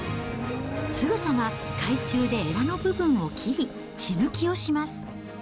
すぐさま海中でえらの部分を切り、血抜きをします。